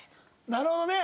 なるほどね！